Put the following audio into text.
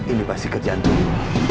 ini pasti kerjaan dulu